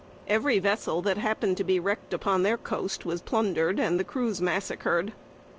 Every vessel that happened to be wrecked upon their coast was plundered, and the crews massacred.